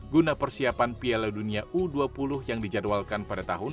guna persiapan piala dunia u dua puluh yang dijadwalkan pada tahun dua ribu dua puluh